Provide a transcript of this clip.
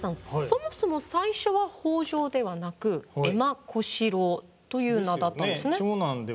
そもそも最初は北条ではなく江間小四郎という名だったんですね。ですよね。